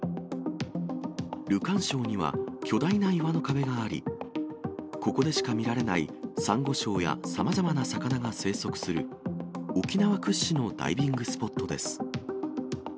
ルカン礁には巨大な岩の壁があり、ここでしか見られないさんご礁やさまざまな魚が生息する、沖縄屈指のダイビングスポットです。